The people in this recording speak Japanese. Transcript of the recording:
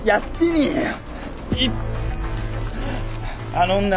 あの女